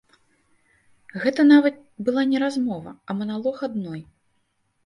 Гэта нават была не размова, а маналог адной.